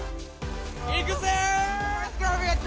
いくぜー。